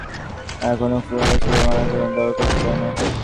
এগুলো ফ্লোরে ছুড়ে মারার কোনও দরকার ছিল না।